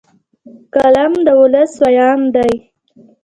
قلم د ولس ویاند دی